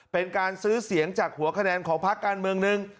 เป็นการซื้อเสียงจากหัวคะแนนของพักการเมืองหนึ่ง